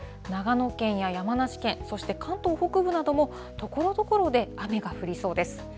長野県や山梨県、そして関東北部なども、ところどころで雨が降りそうです。